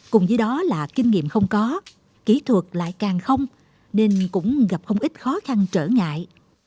cùng với đó là kinh nghiệm không có kỹ thuật lại càng không nên cũng gặp không ít khó khăn trở ngại